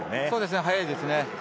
そうですね、速いですね。